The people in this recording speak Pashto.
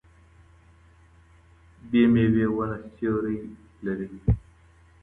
بې ميوې ونه سيوری لري.